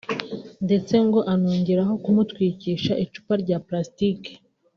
ndetse ngo anongeraho kumutwikisha icupa rya plastique